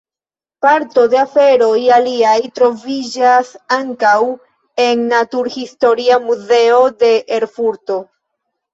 Parto de aferoj liaj troviĝas ankaŭ en la Naturhistoria Muzeo de Erfurto.